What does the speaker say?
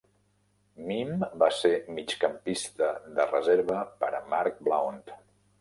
Mihm va ser migcampista de reserva per a Mark Blount.